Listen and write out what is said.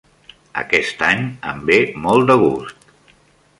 Aquest any em ve molt de gust.